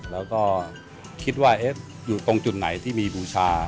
แล้วก็คิดว่าอยู่ตรงจุดไหนที่มีบูชา